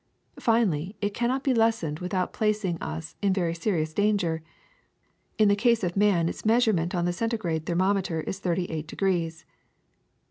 Finally, it cannot be lessened without placing us in very serious danger. In the case of man its measurement on the centigrade thermometer is thirty eight degrees.